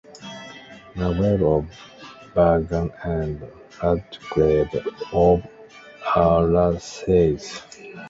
Margrave of Burgau and landgrave of Alsace.